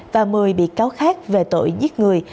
và một mươi bị cáo khác về tội giết người